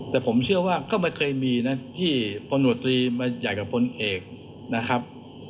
แต่ผมเชื่อว่าก็ไม่เคยมีนะที่พลวตรีมาใหญ่กับพลเอกนะครับ